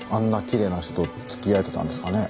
きれいな人と付き合えてたんですかね？